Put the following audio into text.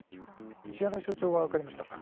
石原所長は分かりましたか？